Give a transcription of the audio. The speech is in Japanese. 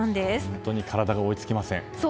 本当に体が追いつきません。